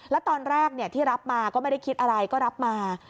แล้วตอนแรกที่รับมาก็ไม่ได้คิดอะไรก็รับมา